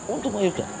untung pak yudha